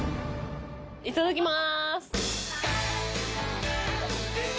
いただきます。